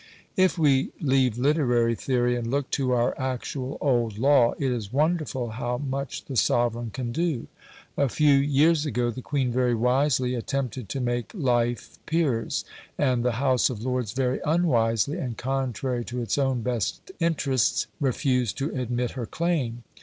If we leave literary theory, and look to our actual old law, it is wonderful how much the sovereign can do. A few years ago the Queen very wisely attempted to make life peers, and the House of Lords very unwisely, and contrary to its own best interests, refused to admit her claim.